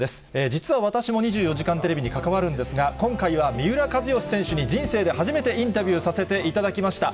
実は私も２４時間テレビに関わるんですが、今回は三浦知良選手に人生で初めてインタビューさせていただきました。